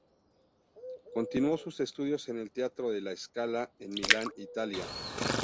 Continuó sus estudios en el Teatro de La Scala en Milán, Italia.